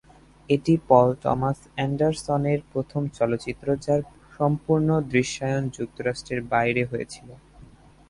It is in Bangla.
এটি পল টমাস অ্যান্ডারসনের প্রথম চলচ্চিত্র, যার সম্পূর্ণ দৃশ্যায়ন যুক্তরাষ্ট্রের বাইরে হয়েছিল।